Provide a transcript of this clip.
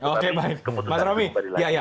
oke baik mas romi ya ya